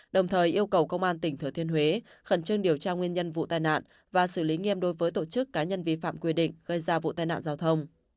đồng thời yêu cầu công an tỉnh thừa thiên huế khẩn trương điều tra nguyên nhân vụ tai nạn và xử lý nghiêm đối với tổ chức cá nhân vi phạm quy định gây ra vụ tai nạn giao thông